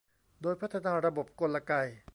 โดยพัฒนาระบบกลไก